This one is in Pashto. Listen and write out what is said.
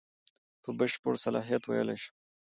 په بشپړ صلاحیت ویلای شم.